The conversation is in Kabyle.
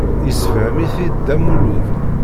Yessefhem-it-id Dda Lmulud.